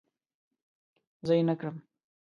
زه ئې کرم